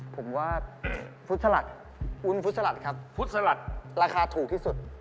ผมว่าวุ้นฟุตสลัดครับราคาถูกที่สุด